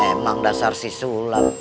emang dasar si sulam